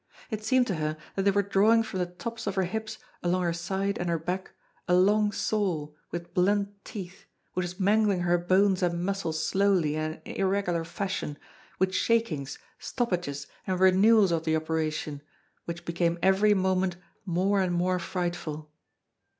It seemed to her that they were drawing from the tops of her hips along her side and her back a long saw, with blunt teeth, which was mangling her bones and muscles slowly and in an irregular fashion, with shakings, stoppages, and renewals of the operation, which became every moment more and more frightful.